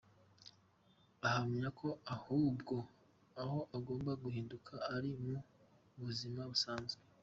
Ahamya ko ahubwo aho agomba guhinduka ari mu buzima busanzwe.